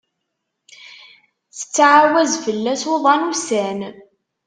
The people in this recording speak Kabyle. Tettɛawaz fellas uḍan ussan.